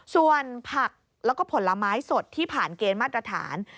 ส่วนผักแล้วก็ผลไม้สดที่ผ่านเกณฑ์มาตรฐาน